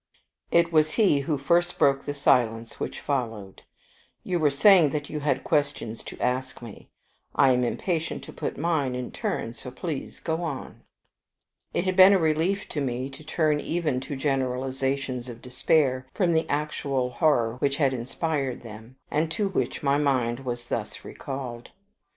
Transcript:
It was he who first broke the silence which followed. "You were saying that you had questions to ask me. I am impatient to put mine in return, so please go on." It had been a relief to me to turn even to generalizations of despair from the actual horror which had inspired them, and to which my mind was thus recalled.